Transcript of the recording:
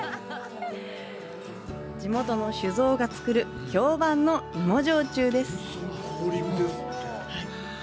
地元の酒造が造る評判の芋焼酎です。